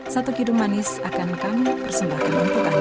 satu hidup manis akan kami persembahkan untuk anda